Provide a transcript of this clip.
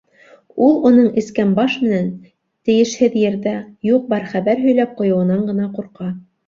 Ул уның эскән баш менән тейешһеҙ ерҙә юҡ-бар хәбәр һөйләп ҡуйыуынан ғына ҡурҡа.